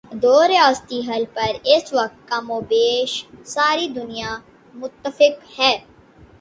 دو ریاستی حل پر اس وقت کم و بیش ساری دنیا متفق ہے۔